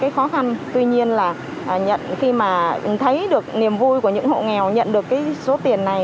cái khó khăn tuy nhiên là khi mà thấy được niềm vui của những hộ nghèo nhận được cái số tiền này